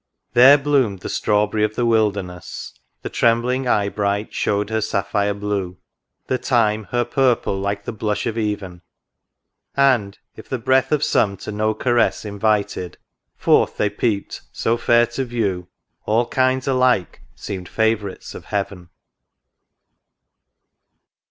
There bloomed the strawberry of the wilderness ; The trembling eye bright showed her sapphire blue. The thyme her purple like the blush of even ; And, if the breath of some to no caress Invited, forth they peeped so fair to view. All kinds alike seemed favourites of Heaven.